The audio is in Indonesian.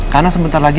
karena sebentar lagi